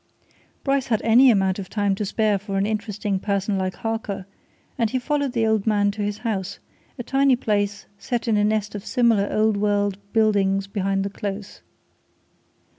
Bryce had any amount of time to spare for an interesting person like Harker, and he followed the old man to his house a tiny place set in a nest of similar old world buildings behind the Close.